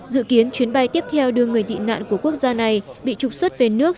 dự kiến chuyến bay tiếp theo đưa người tị nạn của quốc gia này bị trục xuất về nước